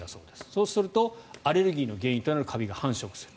そうするとアレルギーの原因となるカビが繁殖する。